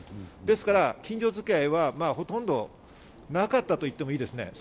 ですから近所づきあいはほとんどなかったと言ってもいいですね。